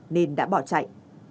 nên đã bỏ chạy